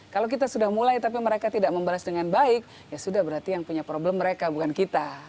kalau kita sudah mulai tapi mereka tidak membalas dengan baik ya sudah berarti yang punya problem mereka bukan kita